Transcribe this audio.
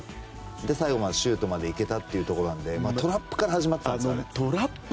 そして最後、シュートまで行けたというところなのでトラップから始まったんですよね。